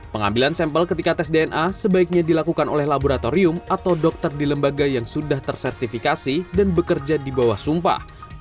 pengambilan sampel ketika tes dna sebaiknya dilakukan oleh laboratorium atau dokter di lembaga yang sudah tersertifikasi dan bekerja di bawah sumpah